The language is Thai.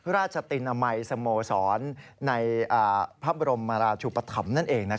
ราชตินามัยสโมสรในพระบรมราชุปธรรมนั่นเอง